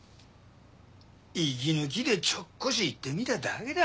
息抜きでちょっこし行ってみただけだ。